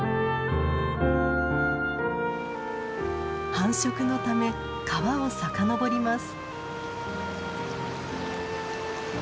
繁殖のため川を遡ります。